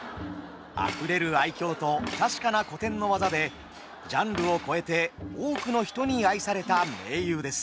あふれる愛嬌と確かな古典の技でジャンルを超えて多くの人に愛された名優です。